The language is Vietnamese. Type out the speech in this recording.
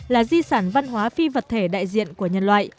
là di sản văn hóa phi vật thể đại diện của nhân loại